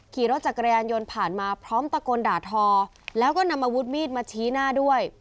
ขี่รถจักรยานยนต์ผ่านมาพร้อมตะโกนด่าทอแล้วก็นำอาวุธมีดมาชี้หน้าด้วย